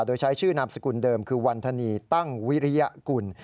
โดยใช้ชื่อนามสกุลเดิมคือวันธนีตั้งวิริยกุล